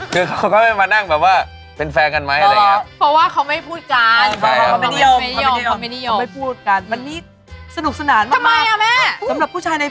คือเขาก็ไม่มานั่งแบบว่าเป็นแฟนกันไหมอะไรอย่างนี้